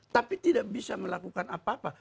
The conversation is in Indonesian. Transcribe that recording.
tapi tidak bisa melakukan apa apa